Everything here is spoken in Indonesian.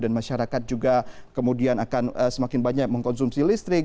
dan masyarakat juga kemudian akan semakin banyak mengkonsumsi listrik